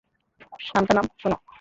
সান্থানাম, শোনো।